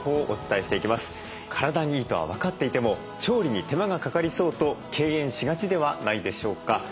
体にいいとは分かっていても調理に手間がかかりそうと敬遠しがちではないでしょうか。